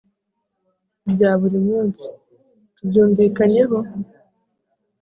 rya buri munsi. tubyumvikanyeho?